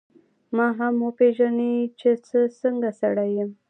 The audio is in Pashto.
ما به هم وپېژنې چي زه څنګه سړی یم.